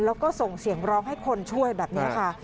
แล้วก็ส่งเสียงร้องให้คนช่วยแบบนี้ค่ะ